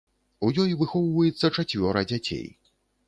У ёй выхоўваецца чацвёра дзяцей.